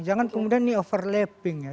jangan kemudian ini overlapping ya